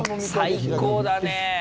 最高だねえ。